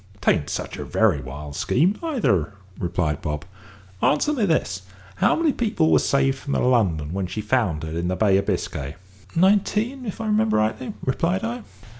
"'Tain't such a very wild scheme neither," replied Bob. "Answer me this. How many people was saved from the London when she foundered in the Bay of Biscay?" "Nineteen, if I remember rightly," replied I.